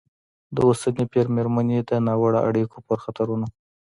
د اوسني پېر مېرمنې د ناوړه اړیکو پر خطرونو